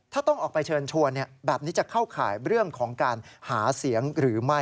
ถ้าต้องออกไปเชิญชวนแบบนี้จะเข้าข่ายเรื่องของการหาเสียงหรือไม่